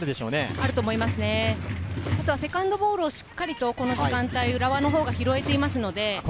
あとはセカンドボールをしっかりとこの時間帯、浦和のほうが拾えています。